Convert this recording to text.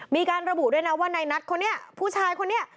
มีการระบุด้วยว่าในนัทผู้ชายคนนี้